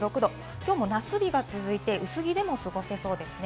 きょうも夏日が続いて薄着でも過ごせそうですね。